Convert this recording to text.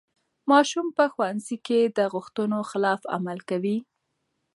ماشوم په ښوونځي کې د غوښتنو خلاف عمل کوي.